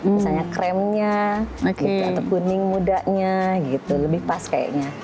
misalnya kremnya gitu atau kuning mudanya gitu lebih pas kayaknya